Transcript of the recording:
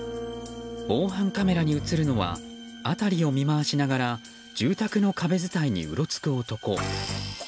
防犯カメラに映るのは辺りを見回しながら住宅の壁伝いにうろつく男。